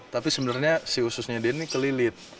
tapi sebenarnya si ususnya dia ini kelilit